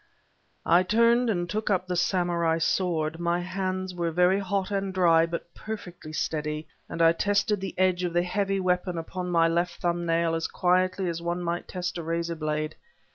I turned and took up the samurai sword. My hands were very hot and dry, but perfectly steady, and I tested the edge of the heavy weapon upon my left thumb nail as quietly as one might test a razor blade.